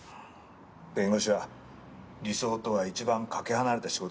弁護士は理想とは一番かけ離れた仕事だからね。